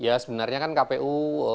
ya sebenarnya kan kpu